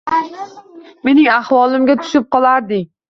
Mening ahvolimga tushib qolarding.